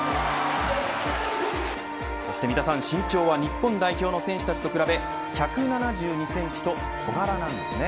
そして三田さん、身長は日本代表の選手たちと比べ１７２センチと小柄なんですね。